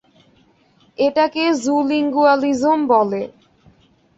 এটাকে জুলিঙ্গুয়ালিজম বলে!